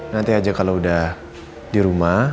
nanti aja kalau udah di rumah